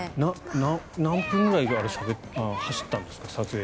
何分くらい走ったんですか？